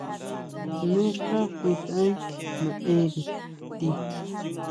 ¿Jmé xá xi saʼen naʼénri ti?